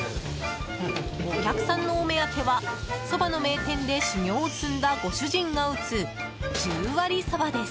お客さんのお目当てはそばの名店で修業を積んだご主人が打つ十割そばです。